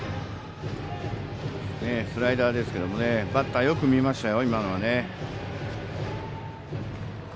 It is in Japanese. スライダーですけどバッターよく見ましたよ。